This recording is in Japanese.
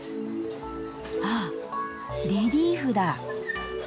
あっレリーフだ。